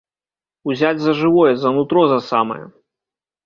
Узяць за жывое, за нутро за самае!